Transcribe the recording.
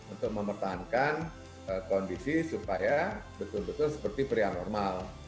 untuk mempertahankan kondisi supaya betul betul seperti pria normal